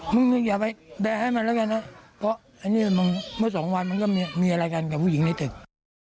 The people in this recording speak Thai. มึงอย่าไปแบร์ให้มันแล้วกันนะเพราะอันนี้มึงเมื่อสองวันมันก็มีอะไรกันกับผู้หญิงในตึก